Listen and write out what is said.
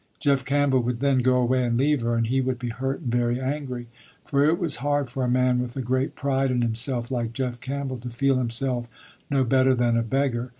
Jeff Campbell would then go away and leave her, and he would be hurt and very angry, for it was hard for a man with a great pride in himself, like Jeff Campbell, to feel himself no better than a beggar.